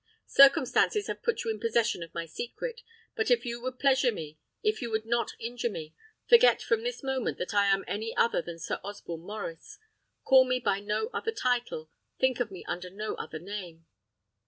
Circumstances have put you in possession of my secret; but if you would pleasure me, if you would not injure me, forget from this moment that I am any other than Sir Osborne Maurice: call me by no other title, think of me under no other name."